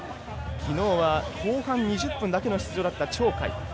きのうは後半２０分だけの出場だった鳥海。